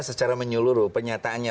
secara menyeluruh pernyataannya